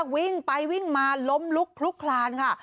วิ่งไปวิ่งมาล้มลุกคลุกคลานค่ะ